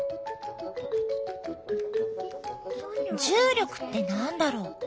重力って何だろう？